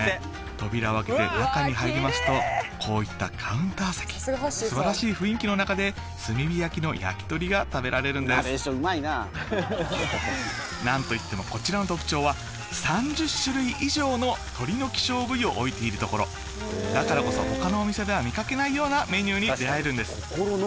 扉を開けて中に入りますとこういったカウンター席素晴らしい雰囲気の中で炭火焼きの焼き鳥が食べられるんです何といってもこちらの特徴は３０種類以上の鶏の希少部位を置いているところだからこそ他のお店では見かけないようなメニューに出会えるんです